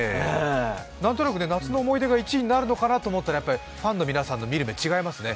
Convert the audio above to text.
何となく「夏の思い出」が１位になるかと思ったらファンの皆さん違いますね。